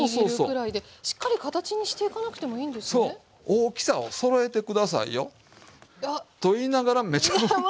大きさをそろえて下さいよと言いながらめちゃおっきい。